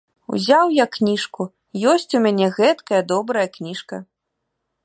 Узяў я кніжку, ёсць у мяне гэткая добрая кніжка!